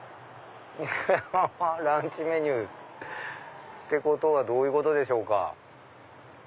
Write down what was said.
ランチメニュー。ってことはどういうことでしょうか？